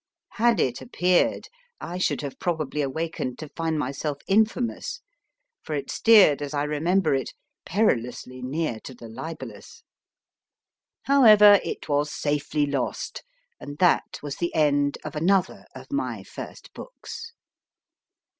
Had it appeared I should have probably awakened to find myself infamous, for it steered, as I remember it, perilously near to the libellous. However, it was safely lost, and that was the end of another of my first books.